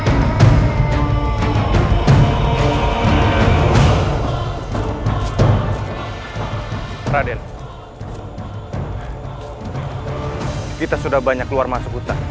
aku sanggup menghadapi bangkus